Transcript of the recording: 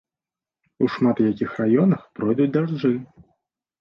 У шмат якіх раёнах пройдуць дажджы.